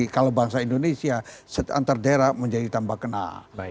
kalau bangsa indonesia antar daerah menjadi tambah kenal